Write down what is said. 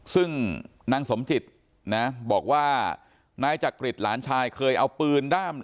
ซึ่งนางสมจิตนะบอกว่านายจักริตหลานชายเคยเอาปืนด้าม